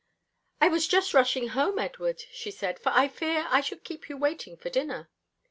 "I was just rushing home, Edward," she said, "for fear I should keep you waiting for dinner."